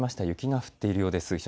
雪が降っているようです。